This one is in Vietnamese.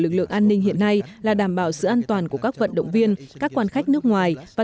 lực lượng an ninh hiện nay là đảm bảo sự an toàn của các vận động viên các quan khách nước ngoài và